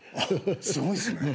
すごいっすね。